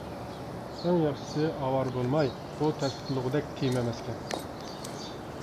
ئەڭ ياخشىسى ئاۋارە بولماي، بۇ تەستىقلىغۇدەك تېما ئەمەسكەن.